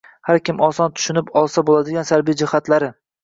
har kim oson tushunib olsa bo‘ladigan salbiy jihatlari.